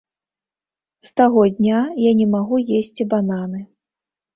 З таго дня я не магу есці бананы.